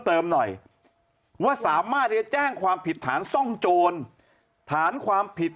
เติมหน่อยว่าสามารถจะแจ้งความผิดฐานซ่องโจรฐานความผิด